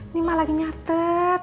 ini mak lagi nyatet